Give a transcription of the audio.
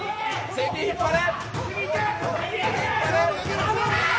関、引っ張れ。